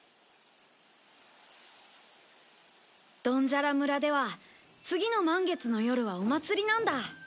ドンジャラ村では次の満月の夜はお祭りなんだ。